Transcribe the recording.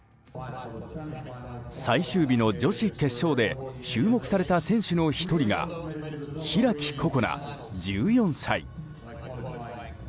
最終日の女子決勝で注目された選手の１人が開心邦、１４歳。